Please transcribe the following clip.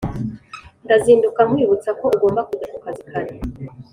Ndazinduka nkwibutsa ko ugomba kujya kukazi kare